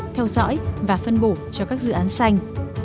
theo dõi và phân bổ cho các dự án xanh